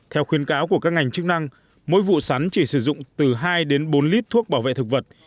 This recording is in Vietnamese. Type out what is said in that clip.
theo khuyên cáo của các ngành chức năng mỗi vụ sắn chỉ sử dụng từ hai đến bốn lít thuốc bảo vệ thực vật